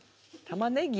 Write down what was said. たまねぎ？